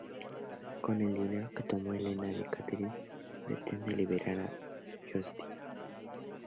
Con el dinero que tomó Helena de Catherine pretende liberar a Dusty.